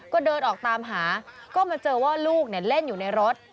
ก็เดินออกตามหาก็มาเจอว่าลูกเล่นอยู่ในรถ